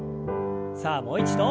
さあもう一度。